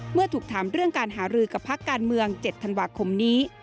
เมื่อถูกถามเรื่องการหารือกับพักการเมือง๗ธันวาคมนี้